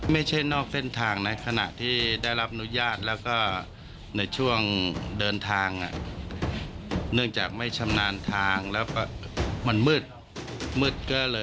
ไม่ใช่นอกเส้นทางในขณะที่ได้รับอนุญาตและช่วงเดินทางเนื่องจากไม่ชำนาญทางมะยอดมืด